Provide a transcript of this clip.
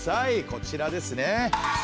こちらですねはい。